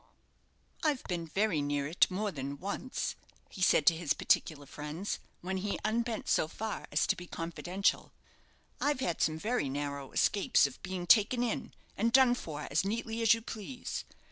"I've been very near it more than once," he said to his particular friends, when he unbent so far as to be confidential. "I've had some very narrow escapes of being taken in and done for as neatly as you please.